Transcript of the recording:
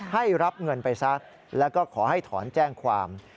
ให้รับเงินไปซะแล้วก็ขอให้ถอนแจ้งความ